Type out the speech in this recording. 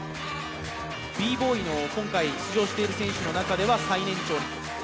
Ｂ−Ｂｏｙの今回出場している選手の中では最年長。